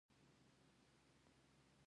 د دارچینی غوړي د تودوخې لپاره وکاروئ